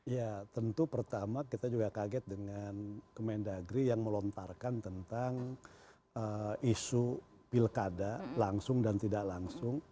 ya tentu pertama kita juga kaget dengan kemendagri yang melontarkan tentang isu pilkada langsung dan tidak langsung